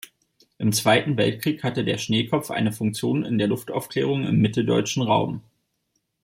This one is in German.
Im Zweiten Weltkrieg hatte der Schneekopf eine Funktion in der Luftaufklärung im mitteldeutschen Raum.